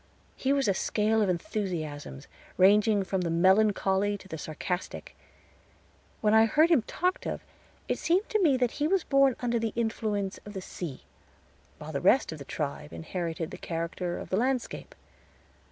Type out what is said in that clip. He was a scale of enthusiasms, ranging from the melancholy to the sarcastic. When I heard him talked of, it seemed to me that he was born under the influence of the sea, while the rest of the tribe inherited the character of the landscape.